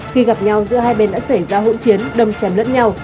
khi gặp nhau giữa hai bên đã xảy ra hỗn chiến đâm chém lẫn nhau